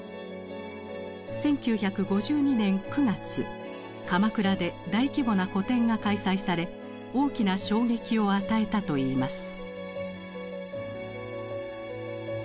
１９５２年９月鎌倉で大規模な個展が開催され大きな衝撃を与えたといいます。